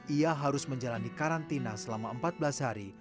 ia harus menjalani karantina selama empat belas hari